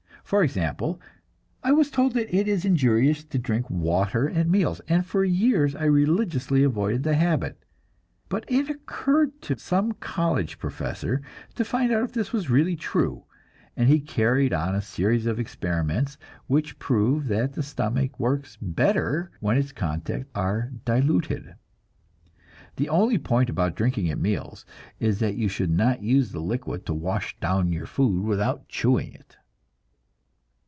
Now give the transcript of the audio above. For example, I was told that it is injurious to drink water at meals, and for years I religiously avoided the habit; but it occurred to some college professor to find out if this was really true, and he carried on a series of experiments which proved that the stomach works better when its contents are diluted. The only point about drinking at meals is that you should not use the liquid to wash down your food without chewing it.